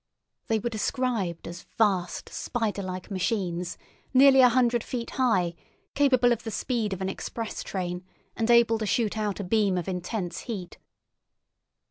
They were described as "vast spiderlike machines, nearly a hundred feet high, capable of the speed of an express train, and able to shoot out a beam of intense heat."